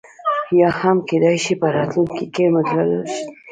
یا هم کېدای شي په راتلونکي کې مدلل شي.